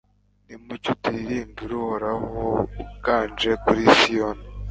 Nimucyo turirimbire Uhoraho uganje kuri Siyoni